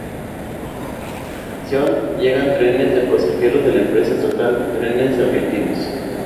A la estación llegan trenes de pasajeros de la empresa estatal Trenes Argentinos.